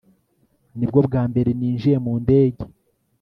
Nibwo bwa mbere ninjiye mu ndege